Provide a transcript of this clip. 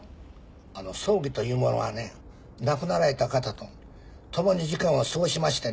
あの葬儀というものはね亡くなられた方と共に時間を過ごしましてね